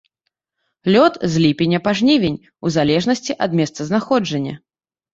Лёт з ліпеня па жнівень у залежнасці ад месцазнаходжання.